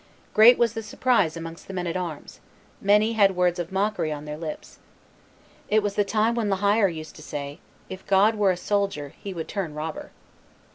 Great was the surprise amongst the men at arms, many had words of mockery on their lips. It was the time when La Hire used to say, "If God were a soldier, He would turn robber."